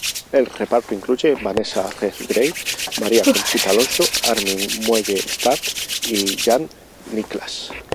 El reparto incluye a Vanessa Redgrave, María Conchita Alonso, Armin Mueller-Stahl y Jan Niklas.